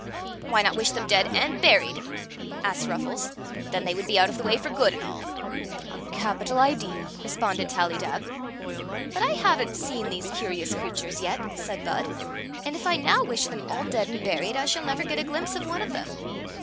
"Why not wish them dead and buried?" asked Ruffles. "Then they would be out of the way for good and all." " A capital idea ! responded Tallydab. " But I have n't seen these curious creatures yet," said Bud ;" and if I now wish them all dead and buried, I shall never get a glimpse of one of them.